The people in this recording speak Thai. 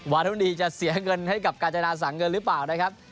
วาธุมณีจะเสียเงินให้กับกาญจนาสั่งเงินหรือเปล่านะครับ